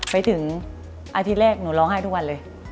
ไปถึงอาทิตย์แรกหนูร้องไห้ทุกวันเลย